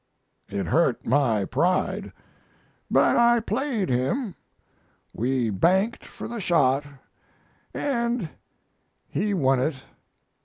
It hurt my pride, but I played him. We banked for the shot and he won it.